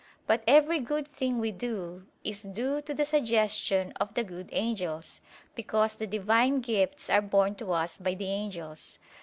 But every good thing we do is due to the suggestion of the good angels: because the Divine gifts are borne to us by the angels.